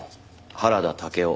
原田武雄